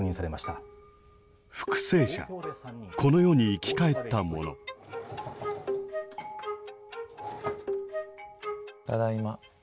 ただいま。